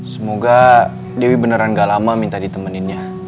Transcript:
semoga dewi beneran gak lama minta ditemeninnya